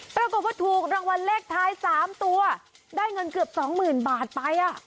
ปรากฏว่าถูกรางวัลเลขท้าย๓ตัวได้เงินเกือบสองหมื่นบาทไป